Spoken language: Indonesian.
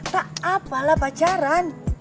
tak apalah pacaran